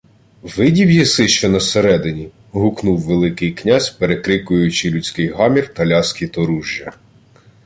— Видів єси, що на середині? — гукнув Великий князь, перекрикуючи людський гамір та ляскіт оружжя.